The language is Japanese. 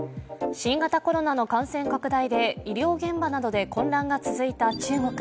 新型コロナの感染拡大で医療現場などで混乱が続いた中国。